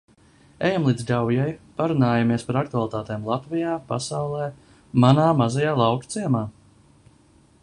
Ejam līdz Gaujai, parunājamies par aktualitātēm Latvijā, pasaulē, manā mazajā lauku ciemā.